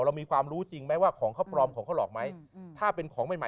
เรามีความรู้จริงไหมว่าของเขาปลอมของเขาหลอกไหมถ้าเป็นของใหม่ใหม่